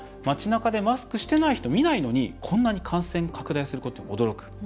「町なかでマスクしてない人見ないのに、こんなに感染拡大することに驚く」。